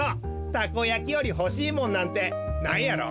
たこやきよりほしいもんなんてないやろ？